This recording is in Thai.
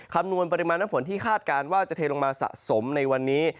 คำนวณปริมาณน้ำฝนที่คาดการณ์ว่าจะเทลงมาสะสมในวันนี้